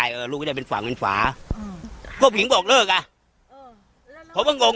ผมก็ไปถูกต้องตามประเพณีทุกอย่าง